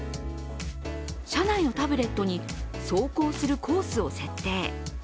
車内のタブレットに走行するコースを設定。